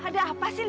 dia nggak mau li